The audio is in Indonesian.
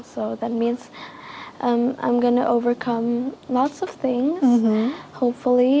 jadi itu berarti aku akan mengelola banyak hal